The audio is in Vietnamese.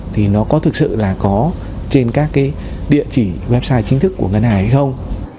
thì nó có thực sự là có trên các cái địa chỉ website chính thức của ngân hàng hay không